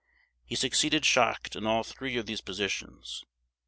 He succeeded Schacht in all three of these positions.